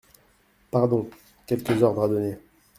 Pardon… quelques ordres à donner…